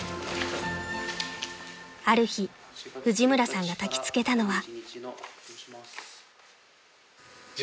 ［ある日藤村さんがたき付けたのは］